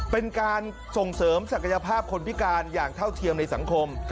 เป็นการส่งเสริมศักยภาพคนพิการอย่างเท่าเทียมในสังคม